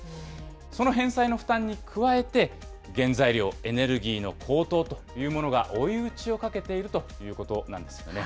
その返済の負担に加えて、原材料、エネルギーの高騰というものが追い打ちをかけているということなんですよね。